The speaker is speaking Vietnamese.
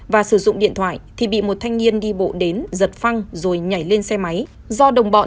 và sử dụng điện thoại thì bị một thanh niên đi bộ